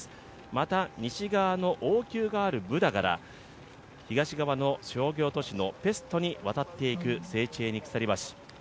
また西側の王宮があるブダから東側の商業都市のペストに渡っていくセーチェーニ鎖橋。